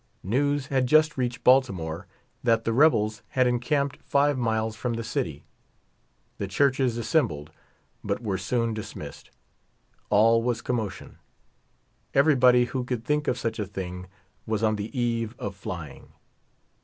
News had just reached Baltimore that the rebels had encamped five miles from the city. The churches assembled, but were soon dis missed. All was commotion. Everybody who could think of such a thing was on the eve of flying.